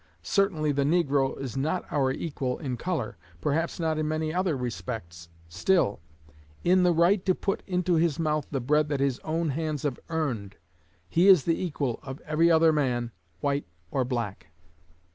Certainly the negro is not our equal in color, perhaps not in many other respects; still, _in the right to put into his mouth the bread that his own hands have earned, he is the equal of every other man, white or black_.